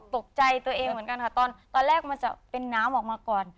ตกใจตัวเองเหมือนกันค่ะตอนแรกมันจะเป็นน้ำออกมาก่อน